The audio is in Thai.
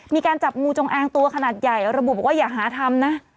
มีการจับงูจงอางตัวขนาดใหญ่ระบุบอกว่าอย่าหาทำนะ